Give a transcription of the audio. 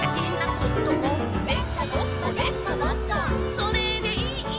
「それでいい」